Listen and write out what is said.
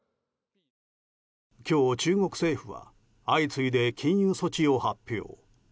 今日、中国政府は相次いで禁輸措置を発表。